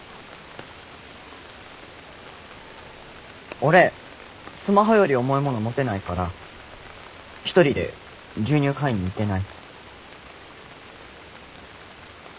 俺スマホより重いもの持てないから一人で牛乳買いに行けない。